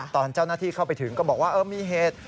ตอนเจ้าหน้าที่เข้าไปถึงก็บอกว่ามีเหตุ